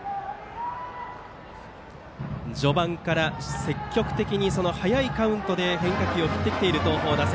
序盤から積極的に早いカウントで変化球を振ってきている東邦打線。